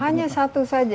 hanya satu saja